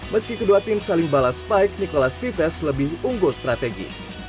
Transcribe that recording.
meski kedua tim saling balas pike nicolas pives lebih unggul strategi